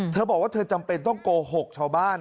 เธอบอกว่าเธอจำเป็นต้องโกหกชาวบ้าน